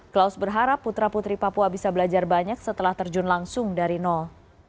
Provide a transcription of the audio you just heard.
klaus berharap putra putri papua bisa belajar banyak setelah terjun langsung dari nol